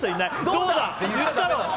どうだ！って言って。